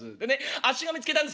あっちが見つけたんですけどね